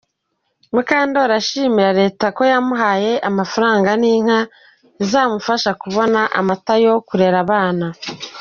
Mukandoli ashimira Leta ko yamuhaye amafaranga n’inka izamufasha kubona amata yo kurera abana.